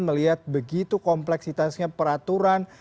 melihat begitu kompleksitasnya peraturan